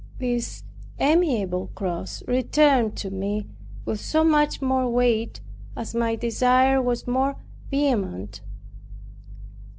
This amiable cross returned to me with so much the more weight, as my desire was more vehement.